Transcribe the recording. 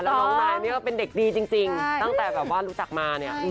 แล้วน้องนายนี่ก็เป็นเด็กดีจริงตั้งแต่รู้จักมา